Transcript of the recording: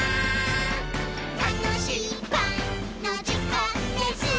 「たのしいパンのじかんです！」